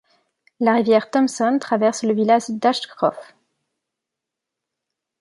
La rivière Thompson traverse le village d'Ashcroft.